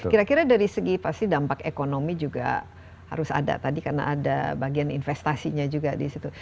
kira kira dari segi pasti dampak ekonomi juga harus ada tadi karena ada bagian investasinya juga di situ